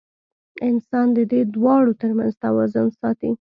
انسان د دې دواړو تر منځ توازن ساتي.